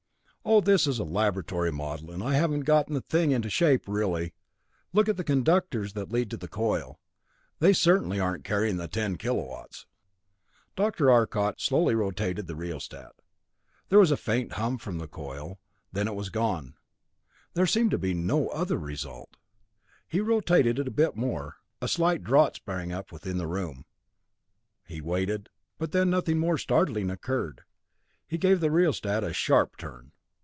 "Oh, this is a laboratory model, and I haven't gotten the thing into shape really. Look at the conductors that lead to the coil; they certainly aren't carrying ten K.W." Dr. Arcot slowly rotated the rheostat. There was a faint hum from the coil; then it was gone. There seemed to be no other result. He rotated it a bit more; a slight draught sprang up within the room. He waited, but when nothing more startling occurred, he gave the rheostat a sharp turn.